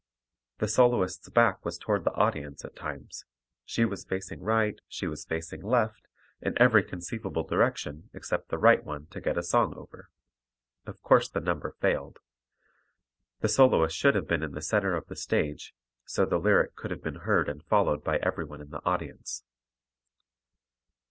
The soloist's back was toward the audience at times; she was facing right; she was facing left; in every conceivable direction except the right one to get a song over. Of course the number failed. The soloist should have been in the center of the stage so the lyric could have been heard and followed by everyone in the audience.